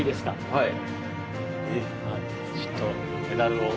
はい。